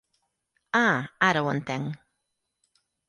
Ah, ara ho entenc.